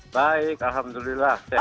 baik alhamdulillah sehat